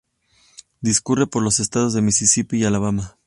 Discurre por los estados de Misisipi y Alabama.